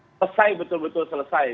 selesai betul betul selesai